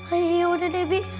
ay yaudah deh bi